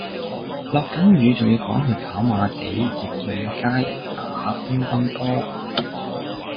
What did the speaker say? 落緊雨仲要趕住去跑馬地奕蔭街打乒乓波